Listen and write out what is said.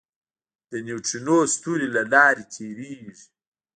د نیوټرینو ستوري له لارې تېرېږي.